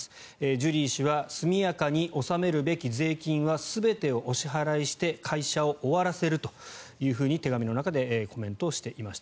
ジュリー氏は速やかに納めるべき税金は全てをお支払いして会社を終わらせると手紙の中でコメントしていました。